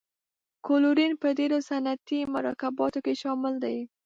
کلورین په ډیرو صنعتي مرکباتو کې شامل دی.